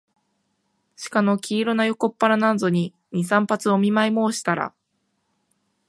鹿の黄色な横っ腹なんぞに、二三発お見舞もうしたら、